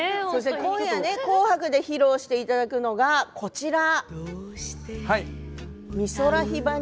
今夜、「紅白」で披露していただくのが、こちらですね。